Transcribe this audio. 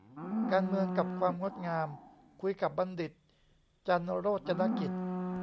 "การเมืองกับความงดงาม" คุยกับ บัณฑิต จันทร์โรจนกิจ